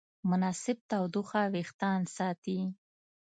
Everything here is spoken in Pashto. مناسب تودوخه وېښتيان ساتي.